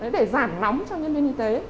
để giảm nóng cho nhân viên y tế